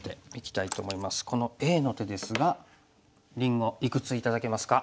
このＡの手ですがりんごいくつ頂けますか？